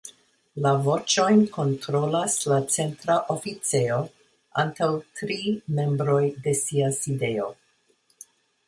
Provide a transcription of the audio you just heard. La voĉojn kontrolas la Centra Oficejo, antaŭ tri membroj de sia sidejo.